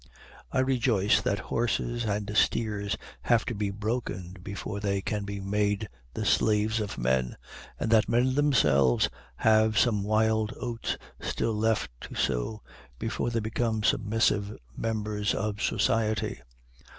I rejoice that horses and steers have to be broken before they can be made the slaves of men, and that men themselves have some wild oats still left to sow before they become submissive members of society.